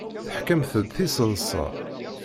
Teḥkamt-d tiseḍsa.